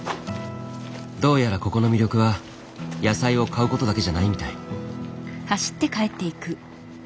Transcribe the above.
どうやらここの魅力は野菜を買うことだけじゃないみたい。